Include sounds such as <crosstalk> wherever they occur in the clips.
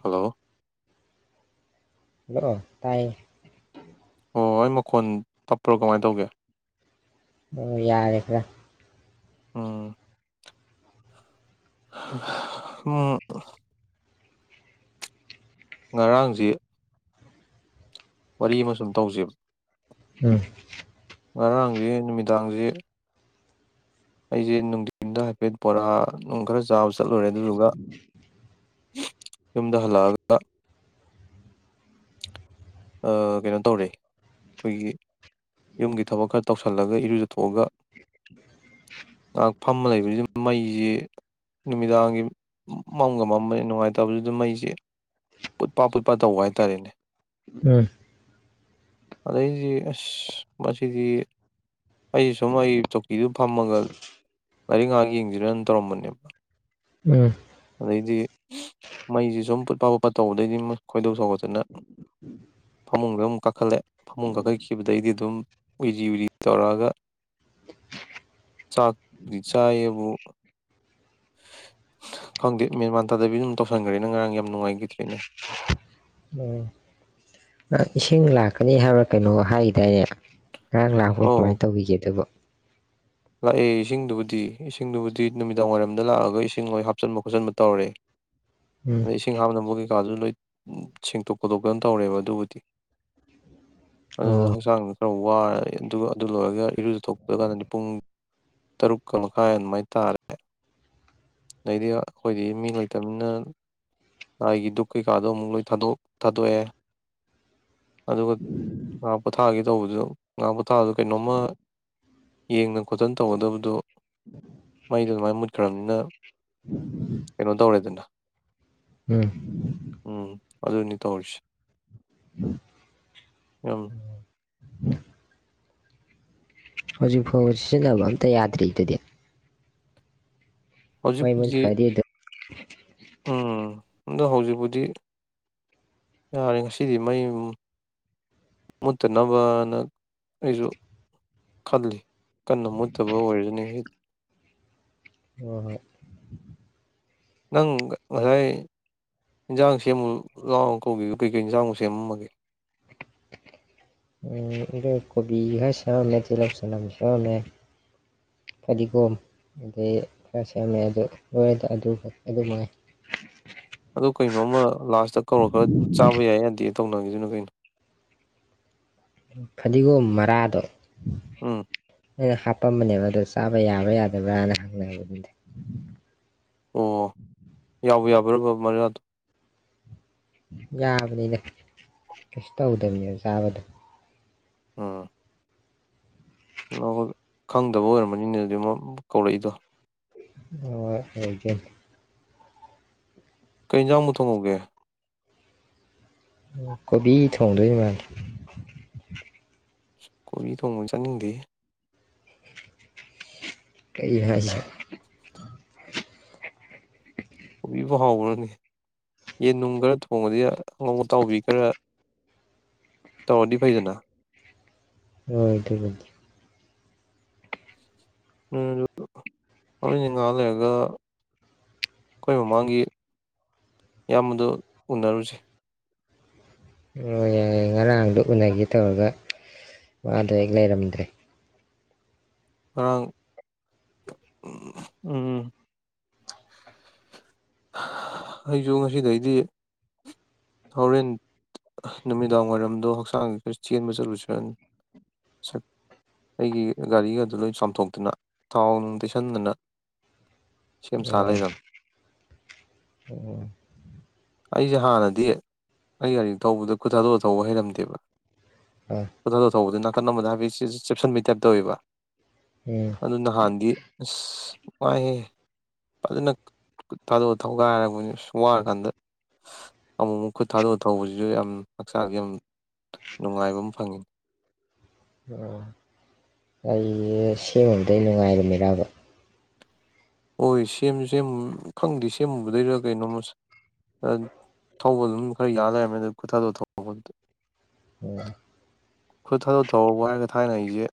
Hello ꯗ ꯇꯥꯏ ꯑꯣ ꯑꯩ ꯃꯈꯣꯟ ꯇꯞꯄ꯭ꯔꯣ ꯀꯃꯥꯏꯅ ꯇꯧꯒꯦ ꯑꯗꯨ ꯌꯥꯔꯦ ꯈꯔ ꯑꯝ ꯎꯝ ꯉꯔꯥꯡꯁꯤ ꯋꯥꯔꯤ ꯑꯃꯁꯨꯝ ꯇꯧꯖꯕ ꯎꯝ ꯉꯔꯥꯡꯁꯤ ꯅꯨꯃꯤꯗꯥꯡꯁꯤ ꯑꯩꯁꯦ ꯅꯨꯡꯊꯤꯟꯗ ꯍꯥꯏꯐꯦꯠ ꯕꯣꯔꯥ ꯅꯨꯡ ꯈꯔ ꯆꯥꯕ ꯆꯠꯂꯨꯔꯦ ꯑꯗꯨꯗꯨꯒ ꯌꯨꯝꯗ ꯍꯜꯂꯛꯑꯒ ꯀꯩꯅꯣ ꯇꯧꯔꯦ ꯑꯩꯈꯣꯏꯒꯤ ꯌꯨꯝꯒꯤ ꯊꯕꯛ ꯈꯔ ꯇꯧꯁꯤꯜꯂꯒ ꯏꯔꯨꯖꯊꯣꯛꯑꯒ ꯉꯥꯏꯍꯥꯛ ꯐꯝꯃ ꯂꯩꯕ ꯃꯩꯁꯤ ꯅꯨꯃꯤꯗꯥꯡꯒꯤ ꯃꯝꯒ ꯃꯝꯝꯕꯅꯤ ꯅꯨꯡꯉꯥꯏꯇꯕꯕꯁꯤ ꯑꯗꯨꯝ ꯃꯩꯁꯤ ꯄꯨꯠꯄ ꯄꯨꯠꯄ ꯇꯧꯕ ꯍꯥꯏꯇꯥꯥꯔꯦꯅꯦ ꯎꯝ ꯑꯗ ꯑ ꯃꯁꯤꯗꯤ ꯑꯩ ꯁꯨꯝ ꯑꯩ ꯆꯧꯀꯤꯗꯨ ꯐꯝꯃꯒ ꯂꯥꯏꯔꯤꯛ ꯉꯥꯏꯍꯥꯛ ꯌꯦꯡꯁꯤꯔꯅ ꯇꯧꯔꯝꯕꯅꯦꯕ ꯎꯝ ꯑꯗꯩꯗꯤ ꯃꯩꯁꯤ ꯁꯨꯝ ꯐꯠꯄ ꯐꯨꯠꯄ ꯇꯧꯕꯗꯩꯗꯤ ꯈꯣꯏꯗꯧ ꯁꯧꯒꯠꯇꯅ ꯐꯃꯨꯡꯗ ꯑꯗꯨꯝ ꯀꯥꯈꯠꯂꯦ ꯐꯃꯨꯡ ꯀꯥꯈꯠꯈꯤꯕꯗꯩꯗꯤ ꯑꯗꯨꯝ ꯎꯏꯔꯤ ꯎꯏꯔꯤ ꯇꯧꯔꯛꯑꯒ ꯆꯥꯛꯗꯤ ꯆꯥꯏꯌꯦꯕꯨ ꯈꯪꯗꯦꯞ ꯃꯦꯟꯃꯥꯟꯇꯥꯗꯕꯤ ꯑꯗꯨꯝ ꯇꯧꯁꯟꯈ꯭ꯔꯦꯅ ꯉꯔꯥꯡ ꯌꯥꯝ ꯅꯨꯡꯉꯥꯏꯈꯤꯗ꯭ꯔꯤꯅꯦ ꯎꯝ ꯅꯪ ꯏꯁꯤꯡ ꯂꯥꯛꯀꯅꯤ ꯍꯥꯏꯕ ꯀꯩꯅꯣ ꯍꯥꯏꯗꯥꯏꯅꯦ ꯉꯔꯥꯡ ꯂꯥꯛꯄ꯭ꯔꯣ ꯀꯃꯥꯏꯅ ꯑꯧ ꯇꯧꯕꯤꯒꯦ ꯑꯗꯨꯕ ꯂꯥꯛꯑꯦ ꯏꯁꯤꯡꯗꯨꯕꯨꯗꯤ ꯏꯁꯤꯡꯗꯨꯕꯨꯗꯤ ꯅꯨꯃꯤꯗꯥꯡ ꯋꯥꯏꯔꯝꯗ ꯂꯥꯛꯑꯒ ꯏꯁꯤꯡ ꯂꯣꯏ ꯍꯥꯞꯆꯤꯟꯕ ꯈꯣꯠꯆꯟꯕ ꯇꯧꯔꯦ ꯎꯝ ꯑꯗꯩ ꯏꯁꯤꯡ ꯍꯝꯅ ꯑꯃꯨꯒꯤ ꯀꯩꯀꯥꯗꯨ ꯂꯣꯏ ꯁꯦꯡꯇꯣꯛ ꯈꯣꯠꯇꯣꯛꯇꯅ ꯇꯧꯔꯦꯕ ꯑꯗꯨꯕꯨꯗꯤ ꯑꯗꯨ ꯑꯣ ꯍꯧꯪꯁꯥꯡ ꯈꯔ ꯋꯥꯔ ꯑꯗꯨꯒ ꯑꯗꯨ ꯂꯣꯏꯔꯒ ꯏꯔꯨꯗꯨ ꯊꯣꯛꯄꯗ ꯀꯥꯟꯗꯗꯤ ꯄꯨꯡ ꯇꯔꯨꯛꯀ ꯃꯈꯥꯏ ꯑꯗꯨꯃꯥꯏ ꯇꯥꯔꯦ ꯑꯗꯩꯗꯤ ꯑꯩꯈꯣꯏꯗꯤ ꯃꯤ ꯂꯩꯇꯕꯅꯤꯅ ꯂꯥꯏꯒꯤ ꯗꯨꯛ ꯀꯩꯀꯥꯗꯣ ꯑꯃꯨꯛ ꯂꯣꯏ ꯊꯥꯗꯣꯛ ꯊꯥꯗꯣꯛꯑꯦ ꯑꯗꯨꯒ ꯉꯥ ꯄꯣꯊꯥꯒꯦ ꯇꯧꯕꯗꯨ ꯉꯥ ꯄꯣꯊꯥꯕꯗ ꯀꯩꯅꯣꯝꯃ ꯌꯦꯡꯗ ꯈꯣꯠꯇꯅ ꯇꯧꯒꯗꯕꯗꯨꯣ ꯃꯩꯗꯣ ꯑꯗꯨꯃꯥꯏꯅ ꯃꯨꯠꯈ꯭ꯔꯕꯅꯤꯅ ꯀꯩꯅꯣ ꯇꯧꯦ ꯑꯗꯨ ꯎꯝ ꯎꯝ ꯑꯗ ꯏꯅꯤ ꯇꯧꯁꯤꯦ ꯎꯝ ꯍꯧꯖꯤꯛ ꯐꯥꯎ ꯁꯤꯖꯤꯟꯅꯕ ꯑꯝꯇ ꯌꯥꯗ꯭ꯔꯤꯗꯨꯗꯤ ꯃꯥꯏ ꯃꯅꯤ ꯍꯧꯖꯤꯛꯄꯨꯗꯤ ꯈꯗꯤꯗ ꯎꯝ ꯑꯗꯣ ꯍꯧꯖꯤꯛꯄꯨꯗꯤ ꯌꯥꯔꯦ ꯉꯁꯤꯗꯤ ꯃꯩ ꯃꯨꯠꯇꯅꯕꯅ ꯑꯩꯁꯨ ꯈꯜꯂꯤ ꯀꯟꯅ ꯃꯨꯠꯇꯕ ꯑꯣꯏꯔꯁꯨꯅꯤ ꯉꯁꯤꯗꯤ ꯍꯣꯏ ꯍꯣꯏ ꯅꯪ ꯉꯁꯥꯏ ꯏꯟꯁꯥꯡ ꯁꯦꯝꯃꯨ ꯂꯥꯎ ꯀꯧꯒꯦ ꯀꯩꯀꯩ ꯏꯟꯁꯥꯡꯃꯛ ꯁꯦꯝꯃꯒꯦ ꯑꯩꯣꯏ ꯀꯣꯕꯤ ꯈꯔ ꯁꯦꯝꯔꯝꯃꯦ ꯇꯤꯜꯍꯧ ꯆꯅꯝ ꯁꯦꯝꯔꯝꯃꯦ ꯐꯗꯤꯒꯣꯝ ꯑꯗꯩ ꯈꯔ ꯁꯦꯝꯝꯃꯦ ꯑꯗꯨ ꯂꯣꯏꯔꯗ ꯑꯗꯨꯒ ꯑꯗꯨ ꯃꯉꯥꯏ ꯀꯩꯅꯣꯃ ꯂꯥꯁꯇ ꯀꯧꯔꯛꯈꯤꯕ ꯆꯥꯕ ꯌꯥꯏ ꯌꯥꯗꯤ ꯇꯧꯅꯉꯤꯗꯨꯅ ꯀꯩꯅꯣ ꯐꯗꯤꯒꯣꯝ ꯃꯔꯥꯗꯣ ꯎꯝ ꯅꯩꯅ ꯍꯥꯞꯄꯝꯕꯅꯦꯕ ꯑꯗꯣ ꯆꯥꯕ ꯌꯥꯕ꯭ꯔꯥ ꯌꯥꯗꯕ꯭ꯔꯥꯅ ꯍꯪꯉꯕ ꯑꯗꯨꯗꯤ ꯑꯣ ꯌꯥꯎꯕ ꯌꯥꯕ ꯃꯔꯌꯥꯗꯣ ꯌꯥꯕꯅꯤꯅ ꯀꯩꯁꯨ ꯇꯧꯗꯕꯅꯤꯅ ꯆꯥꯕꯗꯣ ꯑꯝ ꯈꯪꯗꯕ ꯑꯣꯏꯔꯝꯕꯅꯤꯅ ꯑꯗꯨꯗꯤ ꯑꯃ ꯀꯧꯔꯛꯏꯗꯣ ꯑ ꯍꯧꯦ ꯀꯩꯖꯥꯡꯨ ꯊꯣꯡꯉꯎꯒꯦ ꯀꯣꯕꯤ ꯊꯣꯡꯗ ꯃꯥꯅ ꯀꯣꯕꯤ ꯊꯣꯡꯉꯣꯏ ꯆꯠꯅꯤꯡꯗꯦ ꯀꯩ ꯍꯥꯏ ꯀꯣꯕꯤꯕꯨꯥꯎ ꯍꯥꯎꯕ꯭ꯔꯅꯤ ꯌꯦꯟꯅꯨꯡ ꯈꯔ ꯊꯣꯡꯉꯗꯤ ꯑꯍꯣꯡ ꯑꯇꯥꯎꯕꯤ ꯈꯔ ꯇꯧꯔꯗꯤ ꯐꯩꯗꯅ ꯍꯣꯏ ꯊ ꯃꯔꯣꯏꯗꯤ ꯉꯥꯏꯍꯥꯛ ꯂꯩꯔꯒ ꯑꯩꯈꯣꯏ ꯃꯃꯥꯡꯒꯤ ꯏꯌꯥꯝꯕꯗꯣ ꯎꯅꯔꯨꯁꯦ ꯍꯣꯏ ꯌꯥꯏ ꯌꯥ ꯉꯔꯥꯡꯗ ꯎꯅꯒꯦ ꯇꯧꯔꯒ ꯋꯥꯗꯣ ꯍꯦꯛ ꯂꯩꯔꯝꯗ꯭ꯔꯦ ꯑ ꯎꯝ ꯑꯩꯁꯨ ꯉꯁꯤꯗꯩꯗꯤ ꯍꯣꯔꯦꯟ ꯅꯨꯃꯤꯗꯥꯡ ꯋꯥꯏꯔꯝꯗꯣ ꯍꯛꯆꯥꯡꯒꯤ ꯈꯔ ꯆꯦꯟꯕ ꯆꯠꯂꯨꯁꯤ ꯑꯩꯒꯤ ꯒꯥꯔꯤꯒꯗꯨ ꯂꯣꯏ ꯆꯥꯝꯊꯣꯛꯇꯅ ꯊꯥꯎ ꯅꯨꯡ ꯇꯩꯁꯟꯗꯅ ꯁꯦꯝ ꯁꯥ ꯑꯣ ꯂꯩꯔꯝ ꯑꯣ ꯑꯩꯁꯦ ꯍꯥꯟꯅꯗꯤ ꯑꯩ ꯒꯥꯔꯤ ꯇꯧꯕꯗ ꯈꯨꯠ ꯊꯥꯗꯣꯛꯑ ꯊꯧꯕ ꯍꯩꯔꯝꯗꯦꯕ ꯑꯥ ꯀꯊ ꯊ ꯊꯧꯕꯗꯅ ꯀꯅꯝꯕꯗ ꯍꯥꯏꯕꯤ ꯁꯤ ꯆꯦꯞꯁꯟꯕꯒꯤ ꯇꯥꯏꯞꯇ ꯑꯣꯏꯕ ꯎꯝ ꯑꯗꯨ ꯅꯍꯥꯟꯗꯤ ꯑꯁ ꯄꯥꯏ ꯐꯖꯅ ꯈꯨꯠ ꯊꯥꯗꯣꯛꯑ ꯊꯧꯒꯥꯏ ꯍꯥꯏꯔꯕꯅꯤ ꯁꯨꯝ ꯋꯥꯔꯀꯥꯟꯗ ꯑꯃꯨꯛ ꯑꯃꯨꯛ ꯈꯨꯠ ꯊꯥꯗꯣꯛꯑ ꯊꯧꯕꯁꯤꯁꯨ ꯌꯥꯝ ꯍꯛꯆꯥꯡꯒꯤ ꯌꯥꯝ ꯅꯨꯡꯉꯥꯏꯕ ꯑꯃ ꯐꯪꯉꯤ ꯑꯣ ꯑꯩ ꯁꯦꯝꯕꯗ ꯅꯨꯡꯉꯥꯏꯔꯝꯃꯤꯔꯥꯕ ꯍꯣꯏ ꯁꯦꯝꯁꯨ ꯁꯦꯝ ꯈꯪꯗꯦ ꯁꯦꯝꯃꯨꯕꯗꯩꯗꯨ ꯀꯩꯅꯣꯝꯃ ꯊꯧꯕ ꯑꯗꯨꯝ ꯈꯔ ꯌꯥ ꯂꯩꯔꯝꯃꯦ ꯑ ꯈꯨꯠꯇꯗꯣ ꯊꯗ ꯑꯣ ꯈꯨꯠ ꯊꯥꯗꯣꯛ ꯊ ꯋꯥ ꯍꯥꯏꯔꯒ ꯊꯥꯏꯅ ꯑꯩꯁꯦ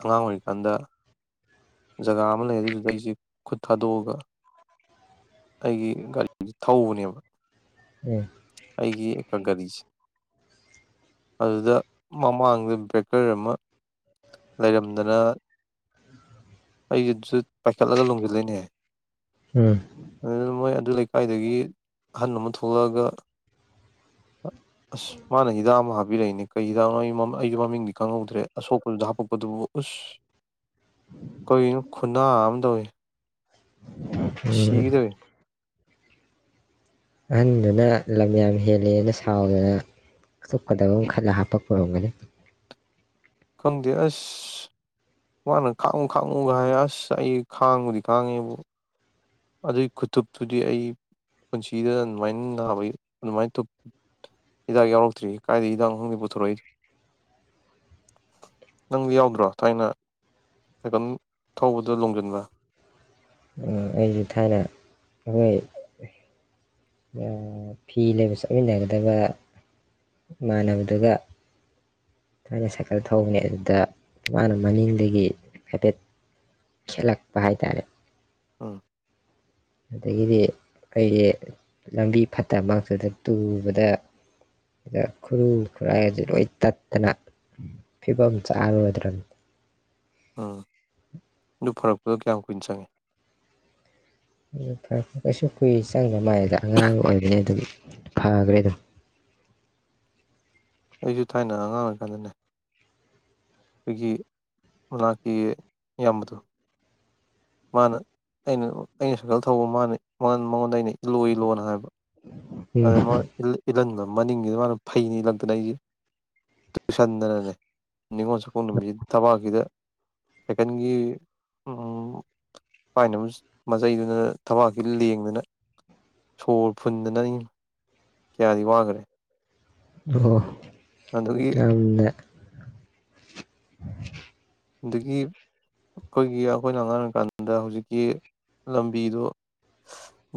ꯑꯉꯥꯡ ꯑꯣꯏꯔꯤꯀꯥꯟꯗ ꯖꯒꯥ ꯑꯃ ꯂꯩ ꯑꯗꯨꯗꯨꯗ ꯑꯩꯁꯦ ꯈꯨꯠ ꯊꯥꯗꯣꯛꯑꯒ ꯑꯩꯒꯤ ꯒꯥꯔꯤꯁꯤ ꯊꯧꯕꯅꯦꯕ ꯎ ꯑꯩꯒꯤ ꯒꯥꯔꯤꯁꯦ ꯑꯗꯨꯗ ꯃꯃꯥꯡꯗ ꯕ꯭ꯔꯦꯀꯔ ꯑꯃ ꯂꯩꯔꯝꯗꯅ ꯑꯩꯁꯨ ꯄꯥꯏꯈꯠꯂꯒ ꯂꯣꯡꯁꯤꯂꯅꯦꯍ ꯎꯝ ꯃꯣꯏ ꯑꯗꯨ ꯂꯩꯀꯥꯏꯗꯒꯤ ꯑꯍꯟ ꯑꯃ ꯊꯣꯛꯂꯛꯑꯒ ꯑꯁ ꯃꯥꯅ ꯍꯤꯗꯥꯛ ꯑꯃꯨꯛ ꯍꯥꯕꯤꯔꯛꯏꯅꯦ ꯀꯩ ꯍꯤꯗꯥꯛ ꯅꯣ ꯑꯩꯒꯤ ꯃꯃꯤꯡ ꯀꯪꯍꯧꯗ꯭ꯔꯦ ꯑꯁꯣꯛꯄꯗꯨꯗ ꯍꯥꯞꯄꯛꯄꯗꯨꯕꯨ ꯎꯁ ꯀꯔꯤꯅꯣ ꯈꯨꯟꯅꯥ ꯑꯃ ꯇꯧꯏꯤ ꯎꯝ ꯁꯤꯒꯗꯔꯦ ꯑꯍꯟꯗꯨꯅ ꯂꯝ ꯌꯥꯝ ꯍꯦꯜꯂꯦꯅ ꯁꯥꯎꯗꯅ ꯆꯨꯞꯀꯗꯕ ꯑꯃ ꯈꯜꯂꯒ ꯍꯥꯞꯄ ꯄꯨꯔꯝꯒꯅꯤ ꯈꯪꯗꯦ ꯑꯁ ꯃꯥꯅ ꯈꯥꯡꯉꯨ ꯈꯥꯡꯉꯨꯒ ꯍꯥꯏ ꯑꯁ ꯑꯩ ꯈꯥꯡꯕꯨꯗꯤ ꯈꯥꯡꯉꯦꯕꯨ ꯑꯗꯨꯏ ꯈꯨꯇꯨꯞꯇꯨꯗꯤ ꯑꯩ ꯄꯨꯟꯁꯤꯗ ꯑꯗꯨꯃꯥꯏꯅ ꯅꯥꯕꯩ ꯑꯗꯨꯃꯥꯏꯨꯞ ꯍꯤꯗꯥꯛ ꯌꯥꯎꯔꯛꯇ꯭ꯔꯤ ꯀꯥꯏꯗ ꯍꯤꯗꯥꯛ ꯈꯗꯤ ꯄꯨꯊꯣꯔꯛꯏꯗꯣ ꯅꯪꯗꯤ ꯌꯥꯎꯗ꯭ꯔꯣ ꯊꯥꯏꯅ ꯁꯥꯏꯀꯜ ꯊꯧꯕꯗ ꯂꯣꯡꯁꯤꯟꯕ꯭ꯔ ꯑꯩꯁꯦ ꯊꯥꯏꯅ ꯑꯩꯈꯣꯏ ꯐꯤ ꯂꯩꯕ ꯆꯠꯃꯤꯟꯅꯒꯗꯕ ꯏꯃꯥꯟꯅꯕꯗꯨꯒ ꯊꯥꯏꯅ ꯁꯥꯏꯀꯜ ꯊꯧꯕꯅꯦ ꯑꯗꯨꯗ ꯃꯥꯅ ꯃꯅꯤꯡꯗꯒꯤ ꯍꯥꯏꯐꯦꯠ ꯈꯦꯠꯂꯛꯄ ꯍꯥꯏ ꯇꯥꯔꯦ ꯑꯥ꯫ ꯑꯗꯒꯤꯗꯤ ꯑꯩ ꯂꯝꯕꯤ ꯐꯠꯇ ꯃꯛꯇꯨꯗ ꯇꯨꯕꯗ ꯈꯨꯔꯨ- ꯈꯨꯔꯥꯏꯖꯤ ꯂꯣꯏ ꯇꯠꯇꯅ ꯐꯤꯕꯝ ꯆꯥꯔꯨꯗ꯭ꯔꯕꯅꯤ꯫ ꯎꯝ ꯑꯗꯨ ꯐꯔꯛꯄꯒ ꯀꯌꯥꯝ ꯀꯨꯏꯅ ꯆꯪꯉꯦ? ꯐꯔꯦ ꯀꯩꯁꯨ ꯀꯨꯏ ꯆꯪꯗ꯭ꯔ ꯃꯥꯏꯗ ꯑꯉꯥꯡ ꯑꯣꯏꯕꯅꯤ ꯑꯗꯨꯒꯤ ꯐꯒꯔꯦ ꯗꯨꯝ꯫ ꯑꯩꯁꯨ ꯊꯥꯏꯅ ꯑꯉꯥꯡ ꯑꯣꯏꯔꯤꯀꯥꯟꯗꯅꯦ ꯑꯩꯈꯣꯏꯒꯤ <unintelligible> ꯏꯌꯥꯝꯕꯗꯣ ꯃꯥꯅ ꯑꯩꯅ ꯑꯩꯅ ꯁꯥꯏꯀꯜ ꯊꯧꯕ ꯃꯥꯅꯤꯉ ꯃꯉꯣꯟꯗ ꯑꯩꯅꯩ ꯂꯣꯏ ꯂꯣꯅ ꯍꯥꯏꯕ꯫ ꯎꯝ ꯑꯗ ꯃꯅꯥ <unintelligible> ꯏꯜꯒꯟꯕ ꯃꯅꯤꯡꯒꯤꯗ ꯃꯥꯅ ꯐꯩꯅꯤ ꯏꯜꯂꯛꯇꯅ ꯑꯩꯁꯦ ꯇꯨꯁꯟꯗꯅꯅꯦ ꯅꯤꯉꯣꯜ ꯆꯥꯛꯀꯣꯡ ꯅꯨꯃꯤꯠꯁꯤ ꯊꯕꯥꯛꯁꯤꯗ ꯁꯥꯏꯀꯜꯒꯤ ꯄꯥꯏꯅꯕ ꯃꯆꯩꯗꯨꯅ ꯊꯕꯥꯛꯁꯤ ꯂꯦꯡꯗꯅ ꯁꯣꯔ ꯐꯨꯟꯗꯅ ꯀꯌꯥꯗꯤ ꯋꯥꯒꯔꯦ꯫ ꯑꯗꯨꯒꯣ꯫ ꯌꯥꯝꯅ <inaudible> ꯑꯗꯒꯤ ꯑꯩꯈꯣꯏꯒꯤ ꯑꯩꯈꯣꯏꯅ ꯑꯉꯥꯡ ꯑꯣꯏꯀꯥꯟꯗ ꯍꯧꯖꯤꯛꯀꯤ ꯂꯝꯕꯤꯗꯣ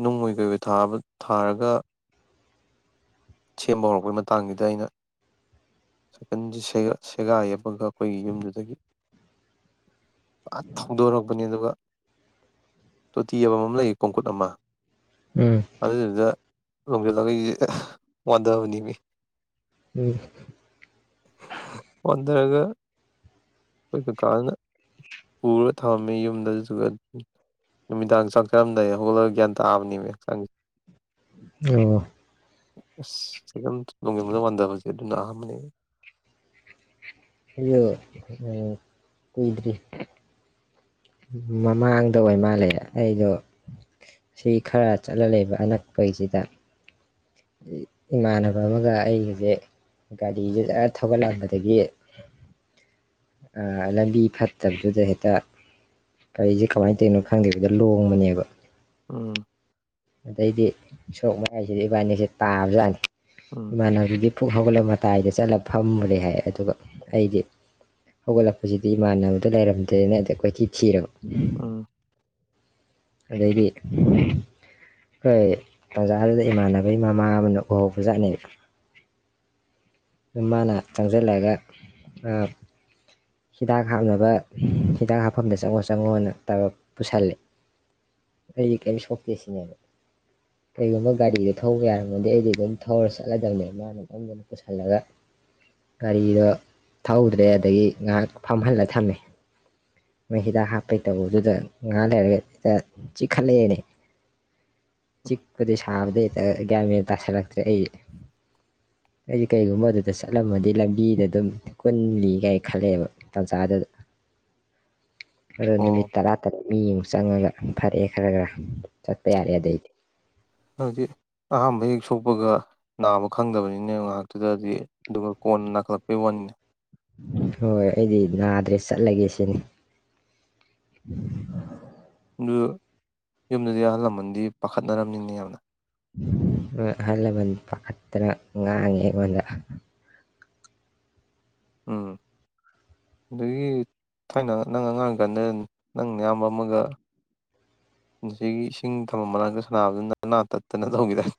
ꯅꯨꯡꯑꯣꯏ ꯀꯩꯑꯣꯏꯕꯕ ꯊꯥꯔꯒ ꯁꯦꯝꯕ ꯍꯧꯔꯛꯄꯩ ꯃꯇꯥꯡꯁꯤꯗ ꯑꯩꯅ ꯁꯥꯏꯀꯜꯁ ꯁꯦꯒꯥꯏꯌꯦ ꯑꯩꯈꯣꯏꯒꯤ ꯌꯨꯝꯗꯨꯗꯒꯤ ꯄꯨ ꯊꯧꯗꯣꯔꯛꯄꯅꯦ ꯑꯗꯨꯒ ꯇꯣꯇꯤ ꯑꯃꯃꯝ ꯂꯩ ꯀꯣꯡꯀꯨꯠ ꯑꯃ ꯎꯝ ꯑꯗꯨꯗꯨꯗ ꯂꯣꯪꯖꯜꯂꯒ ꯑꯩꯖꯦ ꯋꯥꯗꯕꯅꯤꯃꯤ꯫ ꯎꯝ꯫ ꯍꯟꯊꯔꯒ ꯑꯩꯈꯣꯏ ꯀꯀꯥꯅ ꯄꯨꯔ ꯊꯝꯃꯝꯃꯦ ꯌꯨꯝꯗꯗꯨꯒ ꯅꯨꯃꯤꯗꯥꯡ ꯆꯥꯛ ꯆꯔꯝꯗꯥꯏ ꯍꯧꯒꯠꯂꯒ ꯒ꯭ꯌꯥꯟ ꯇꯥꯕꯅꯦꯕ ꯍꯛꯆꯥꯡꯁꯦ꯫ ꯑꯣ꯫ ꯑꯁ <unintelligible> <unintelligible> ꯍꯣ ꯀꯨꯏꯗꯔꯤ꯫ ꯃꯃꯥꯡꯗ ꯑꯣꯏ ꯃꯥꯜꯂꯑꯦ ꯑꯩꯗꯣ ꯁꯤ ꯈꯔ ꯆꯠꯂ ꯂꯩꯕ ꯑꯅꯛꯄꯩꯁꯤꯗ ꯏꯃꯥꯟꯅꯕ ꯑꯃꯒ ꯑꯩꯒꯤꯁꯦ ꯒꯥꯔꯤꯁꯦ ꯈꯖ ꯊꯧꯒꯠꯂꯛꯑꯝꯕꯗꯒꯤ ꯂꯝꯕꯤ ꯐꯠꯇꯕꯗꯨꯗ ꯍꯦꯛꯇ ꯒꯔꯤꯁꯦ ꯀꯃꯥꯏꯅ ꯇꯧꯅꯣ ꯈꯪꯗꯦꯕꯗ ꯂꯣꯡꯕꯅꯦꯕ꯫ ꯎꯝ꯫ ꯑꯗꯩꯗꯤ ꯁꯣꯛ ꯃꯌꯥꯏꯁꯤꯗꯤ ꯏꯕꯥꯅꯤꯁꯦ ꯇꯥꯕꯖꯥꯠꯅꯤ ꯎꯝ ꯏꯃꯅꯕꯗꯨꯗꯤ ꯄꯨꯛ ꯍꯧꯒꯠꯂꯒ ꯃꯇꯥꯏꯗ ꯆꯠꯂ ꯐꯃꯨꯔꯦ ꯍꯥꯏ ꯑꯗꯨꯒ ꯑꯩꯗꯤ ꯍꯧꯒꯠꯂꯛꯄꯁꯤꯗꯤ ꯏꯃꯥꯟꯅꯕꯗ ꯂꯩꯔꯝꯗ꯭ꯔꯦꯅ ꯑꯩꯗꯤ ꯀꯣꯏꯊꯤ ꯊꯤꯔꯕ ꯎꯝ꯫ ꯑꯗꯩꯗꯤ ꯍꯣꯏ ꯇꯥꯟꯖꯥ ꯑꯗꯨꯗ ꯏꯃꯥꯟꯅꯕꯒꯤ ꯃꯃꯥ ꯑꯃꯅ ꯎꯍꯧꯕꯖꯥꯠꯅꯦꯕ ꯃꯥꯅ ꯆꯪꯁꯤꯜꯂꯒ ꯍꯤꯗꯥꯛ ꯍꯥꯞꯅꯕ ꯍꯤꯗꯥꯛ ꯍꯥꯞꯐꯝꯗ ꯆꯪꯉꯣ ꯆꯪꯉꯣꯅ ꯇꯧꯔ ꯄꯨꯁꯜꯂꯦ ꯑꯩꯗꯤ ꯀꯔꯤꯝ ꯁꯣꯛꯇꯦ ꯁꯤꯅꯦꯕ ꯀꯔꯤꯒꯨꯝꯕ ꯒꯥꯔꯤꯗꯣ ꯊꯧꯕ ꯌꯥꯔꯝꯃꯗꯤ ꯑꯩꯗꯤ ꯑꯗꯨꯝ ꯊꯧꯔ ꯆꯠꯂꯗꯕꯅꯦ ꯃꯥꯅ ꯑꯗꯨꯝꯗꯨꯅ ꯄꯨꯁꯜꯂꯒ ꯒꯥꯔꯤꯗꯣ ꯊꯧꯗ꯭ꯔꯦ ꯑꯗꯒꯤ ꯉꯥ ꯐꯝꯍꯜꯂ ꯊꯝꯃꯦ ꯃꯣꯏ ꯍꯤꯗꯥꯛ ꯍꯥꯞꯄꯩꯇꯧꯕꯗꯨꯗ ꯉꯥ ꯂꯩꯔꯒ ꯆꯤꯛꯈꯠꯂꯛꯅꯦ꯫ ꯆꯤꯛꯄꯗꯤꯁ ꯊꯥꯕꯗꯩ ꯒꯌ꯭ꯥꯟ - ꯃꯦꯟ ꯇꯥꯁꯜꯂꯛꯇ꯭ꯔꯦ ꯑꯩꯖꯦ ꯫ ꯑꯩꯗꯤ ꯀꯩꯒꯨꯝꯕ ꯑꯗꯨꯗ ꯆꯠꯂꯝꯃꯗꯤ ꯂꯝꯕꯤꯗ ꯑꯗꯨꯝ ꯀꯨꯜꯂꯤ ꯀ ꯈꯜꯂꯛꯑꯦꯕ ꯇꯟꯖꯥꯗꯨꯗ꯫ ꯑꯣ ꯅꯨꯃꯤꯠ ꯇꯔꯥ ꯇꯔꯨꯛꯅꯤ ꯌꯦꯡꯉꯒ ꯐꯔꯦ ꯈꯔ - ꯈꯔ ꯆꯠꯄ ꯌꯥꯔꯦ ꯑꯗꯩꯗꯤ꯫ ꯍꯥꯏꯗꯤ ꯑꯍꯥꯝꯕ ꯍꯦꯛ ꯁꯣꯛꯄꯒ ꯅꯥꯕ ꯈꯪꯗꯕꯅꯤꯅꯦ ꯉꯥꯏꯍꯥꯛꯇꯨꯗꯗꯤ ꯑꯗꯨꯒ ꯀꯣꯟꯅ ꯅꯥꯈꯠꯂꯛꯄꯩ ꯋꯥꯅꯤꯅꯦ꯫ ꯍꯣꯏ ꯑꯩꯗꯤ ꯅꯥꯗ꯭ꯔꯦ ꯆꯠꯂꯒꯦ ꯁꯤꯅꯤ꯫ ꯑꯗꯨ ꯌꯨꯝꯗꯗꯤ ꯑꯍꯜ ꯂꯃꯟꯗꯤ ꯄꯥꯈꯠꯅꯔꯝꯅꯤꯅꯦ ꯌꯥꯝꯅ꯫ ꯑꯍꯜ - ꯂꯝꯟ ꯄꯈꯠꯇꯅ ꯉꯥꯡꯉꯦ ꯑꯩꯉꯣꯟꯗꯥ꯫ ꯎꯝ ꯑꯗꯨꯗꯒꯤ ꯊꯥꯏꯅ ꯅꯪ ꯑꯉꯥꯡꯀꯥꯟꯗ ꯅꯪ ꯑꯌꯥꯝꯕ ꯑꯃꯒ ꯁꯤꯒꯤ ꯏꯁꯤꯡ ꯊꯝꯃ ꯃꯔꯒ ꯁꯥꯟꯅꯕꯗꯨꯅ ꯅꯅꯥ ꯇꯠꯇꯅ ꯇꯧꯒꯤꯗꯥꯏꯅꯦ?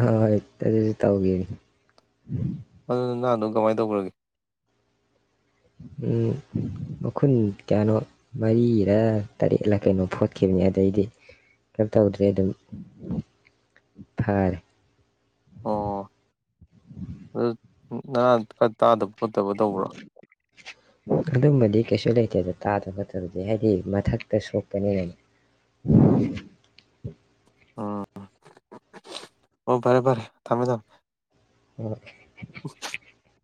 ꯍꯣꯏ ꯑꯗꯨꯁꯨ ꯇꯧꯒꯤ꯫ ꯑꯗꯨꯅ ꯅꯍꯥꯟꯗꯣ ꯀꯃꯥꯏꯅ ꯇꯧꯈ꯭ꯔꯒꯦ? ꯎꯝ ꯃꯈꯨꯟ ꯀꯌꯥꯅꯣ ꯃꯔꯤꯔ ꯇꯔꯦꯠꯂꯥ ꯀꯩꯅꯣ ꯐꯣꯠꯈꯤꯕꯅꯤ ꯑꯗꯩꯗꯤ ꯀꯩꯅꯣꯝ ꯇꯧꯗ꯭ꯔꯦ ꯑꯗꯨꯝ ꯐꯔꯦ꯫ ꯑꯣ ꯑꯗꯨ ꯅꯥꯅꯥ ꯗꯤ ꯈ ꯇꯥꯗ ꯈꯣꯠꯇꯕ ꯇꯧꯕ꯭ꯔꯥ? ꯑꯗꯨꯝꯕꯗꯤ ꯀꯩꯁꯨ ꯂꯩꯇꯦꯗ ꯇꯥꯗꯕ ꯈꯠꯇꯕꯗꯤ ꯍꯥꯏꯗꯤ ꯃꯊꯛꯇ ꯁꯣꯛꯄꯅꯤꯅ꯫ ꯎꯝ ꯑꯣ ꯐꯔꯦ - ꯐꯔꯦ ꯊꯝꯃꯦ- ꯊꯝꯃꯦ꯫ ꯍꯣꯏ ꯫